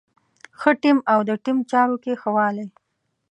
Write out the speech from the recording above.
ښه ټيم او د ټيم چارو کې ښه والی.